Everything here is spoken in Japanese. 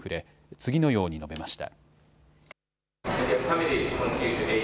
次のように述べました。